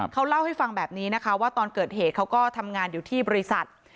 เขาเล่าให้ฟังแบบนี้นะคะว่าตอนเกิดเหตุเขาก็ทำงานอยู่ที่บริษัท